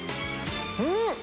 うん！